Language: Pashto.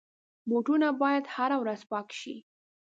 بوټونه باید هره ورځ پاک شي.